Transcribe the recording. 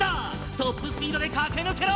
トップスピードでかけぬけろ！